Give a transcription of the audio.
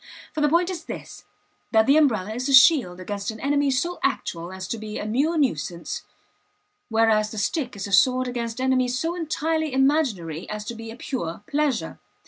For the point is this: that the umbrella is a shield against an enemy so actual as to be a mere nuisance; whereas the stick is a sword against enemies so entirely imaginary as to be a pure pleasure.